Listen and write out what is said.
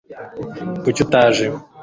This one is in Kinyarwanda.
kuki utaje